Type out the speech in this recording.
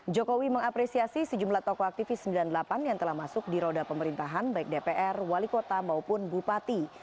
jokowi mengapresiasi sejumlah tokoh aktivis sembilan puluh delapan yang telah masuk di roda pemerintahan baik dpr wali kota maupun bupati